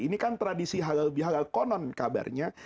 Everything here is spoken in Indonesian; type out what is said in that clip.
ini kan tradisi halal bihalal konon kabarnya